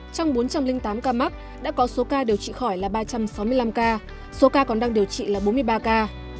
trong bốn trăm linh tám ca mắc đã có số ca điều trị khỏi là ba trăm sáu mươi năm ca số ca còn đang điều trị là bốn mươi ba ca